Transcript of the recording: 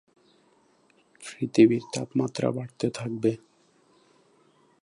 পৃথিবীর তাপমাত্রা বাড়তে থাকবে।